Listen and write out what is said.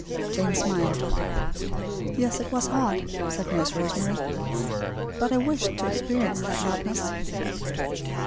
Jane smiled. "Yes, it was hard," said Nurse Rosemary; "but I wished to experience that hardness."